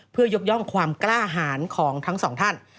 เพื่อยกย่องความกล้าหารของทั้งสองท่าน